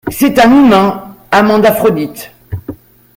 C'est un humain, amant d'Aphrodite.